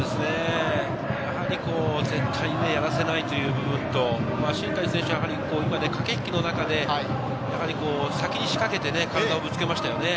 やはり絶対やらせないという部分と、新谷選手は駆け引きの中で、先に仕掛けて体をぶつけましたよね。